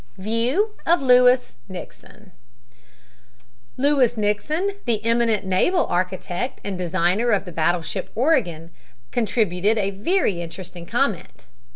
VIEW OF LEWIS NIXON Lewis Nixon, the eminent naval architect and designer of the battleship Oregon, contributed a very interesting comment.